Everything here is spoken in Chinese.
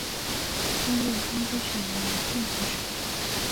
现任安徽省人民政府省长。